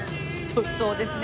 そうですね。